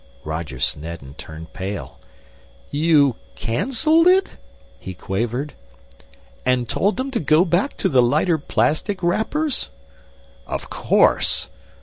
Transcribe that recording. Roger Snedden turned pale. "You canceled it?" he quavered. "And told them to go back to the lighter plastic wrappers?" "Of course!